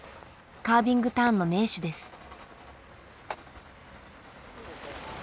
カービングターンの名手です。